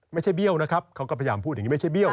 เบี้ยวนะครับเขาก็พยายามพูดอย่างนี้ไม่ใช่เบี้ยว